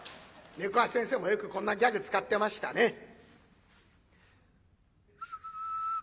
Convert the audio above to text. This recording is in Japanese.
猫八先生もよくこんなギャグ使ってましたね。